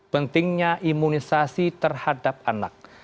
pentingnya imunisasi terhadap anak